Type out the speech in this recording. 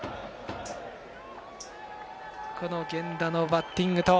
源田のバッティングと。